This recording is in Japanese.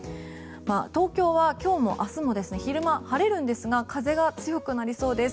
東京は今日も明日も昼間晴れるんですが風が強くなりそうです。